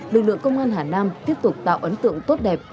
lực lượng công an hà nam tiếp tục tạo ấn tượng tốt đẹp